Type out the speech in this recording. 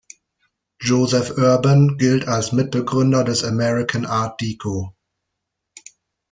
Joseph Urban gilt als Mitbegründer des "American Art Deco".